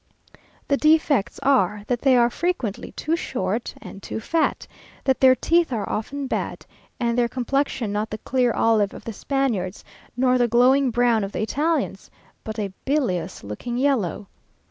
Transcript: The defects are, that they are frequently too short and too fat, that their teeth are often bad, and their complexion not the clear olive of the Spaniards, nor the glowing brown of the Italians, but a bilious looking yellow.